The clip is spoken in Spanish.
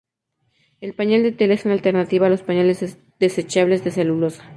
El pañal de tela es una alternativa a los pañales desechables de celulosa.